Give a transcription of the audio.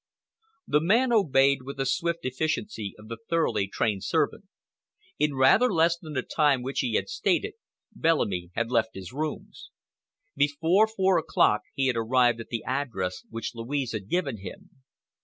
The man obeyed with the swift efficiency of the thoroughly trained servant. In rather less than the time which he had stated, Bellamy had left his rooms. Before four o'clock he had arrived at the address which Louise had given him.